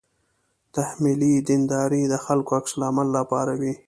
تحمیلي دینداري د خلکو عکس العمل راپاروي.